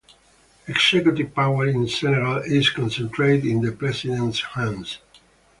Executive power in Senegal is concentrated in the president's hands.